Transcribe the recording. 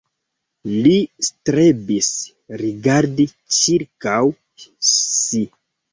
Li strebis rigardi ĉirkaŭ si.